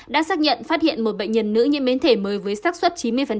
đã xác nhận phát hiện một bệnh nhân nữ nhiễm biến thể mới với sắc xuất chín mươi